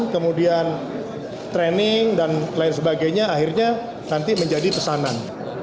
kemudian training dan lain sebagainya akhirnya nanti menjadi pesanan